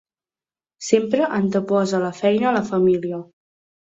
Sempre anteposa la feina a la família.